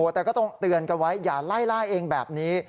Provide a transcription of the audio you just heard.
แต่ก็ต้องเตือนกันไว้อย่าไล่ล่าเองแบบนี้